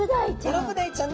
イロブダイちゃん。